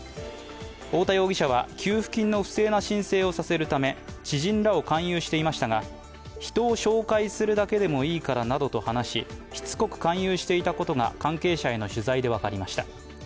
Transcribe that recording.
太田容疑者は、給付金の不正な申請をさせるため知人らを勧誘していましたが人を紹介するだけでもいいからなどと話ししつこく勧誘していたことが関係者への取材で分かりました。